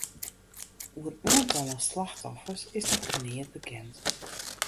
Oer oantallen slachtoffers is noch neat bekend.